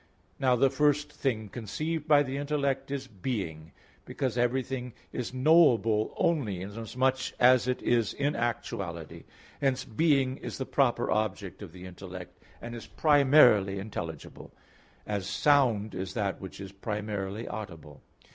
Now the first thing conceived by the intellect is being; because everything is knowable only inasmuch as it is in actuality. Hence, being is the proper object of the intellect, and is primarily intelligible; as sound is that which is primarily audible.